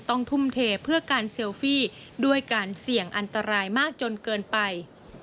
ทุ่มเทเพื่อการเซลฟี่ด้วยการเสี่ยงอันตรายมากจนเกินไป